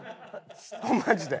マジで。